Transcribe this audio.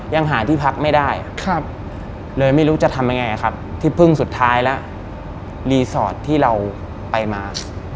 ยังหาที่พักไม่ได้เลยไม่รู้จะทำยังไงครับที่พึ่งสุดท้ายแล้วรีสอร์ทที่เราไปมา